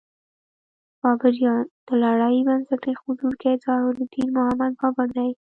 بابریان: د لړۍ بنسټ ایښودونکی ظهیرالدین محمد بابر دی.